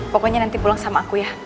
pokoknya nanti pulang sama aku ya